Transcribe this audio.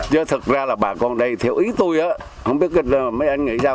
chứ thật ra là bà con đây theo ý tôi không biết mấy anh nghĩ sao